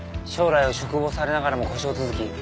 将来を嘱望されながらも故障続き。